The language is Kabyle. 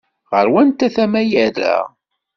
Ɣer wanta tama i yerra?